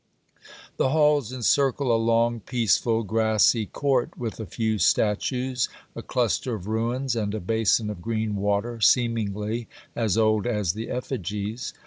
The halls encircle a long, peaceful, grassy court with a few statues, a cluster of ruins and a basin of green water, seemingly as old as the effigies.